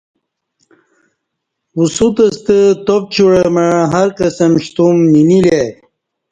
وسوت ستہ تاپ چوعہ مع ہرقسم شتم نینیلی ا ی